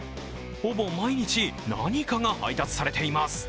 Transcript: ほぼ毎日何かが配達されています。